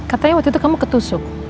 katanya waktu itu kamu ketusuk